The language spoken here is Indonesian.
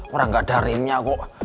orang gak ada remnya kok